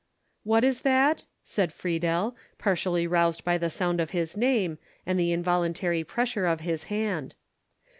"What is that?" said Friedel, partially roused by the sound of his name, and the involuntary pressure of his hand.